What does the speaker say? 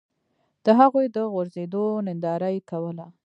د هغوی د غورځېدو ننداره یې کوله.